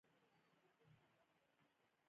د اقلیم بدلون په افغانستان اغیز کړی؟